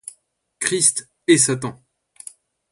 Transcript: Christ et Satan!